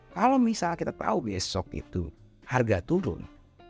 kalau misalnya kita tahu besok itu harga turun